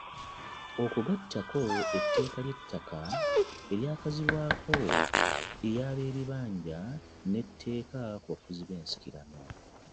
Okwo gattako etteeka ly’ettaka eryakazibwa ey’abeebibanja n’etteeka ku bafuzi b’ensikirano.